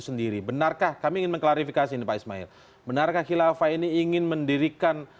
jadi saya ingin mengatakan bahwa ini adalah domin dari perubahan